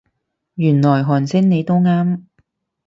原來韓星你都啱